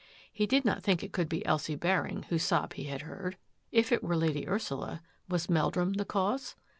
He did not think it could be Elsie I whose sob he had heard. If it were Lady I was Meldrum the cause?